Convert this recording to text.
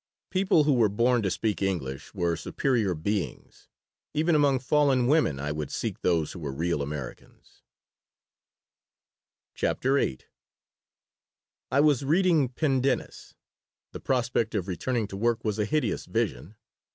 People who were born to speak English were superior beings. Even among fallen women I would seek those who were real Americans CHAPTER VIII I WAS reading Pendennis. The prospect of returning to work was a hideous vision.